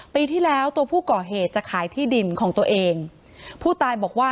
ปีที่แล้วตัวผู้ก่อเหตุจะขายที่ดินของตัวเองผู้ตายบอกว่า